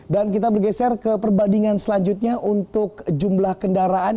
dan kita bergeser ke perbandingan selanjutnya untuk jumlah kendaraan